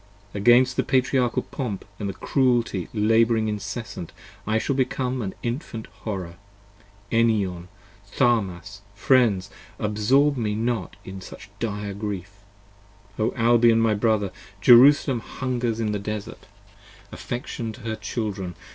Against the Patriarchal pomp and cruelty labouring incessant 5 I shall become an Infant horror. Enion! Tharmas! friends! Absorb me not in such dire grief: O Albion, my brother! Jerusalem hungers in the desart; affection to her children!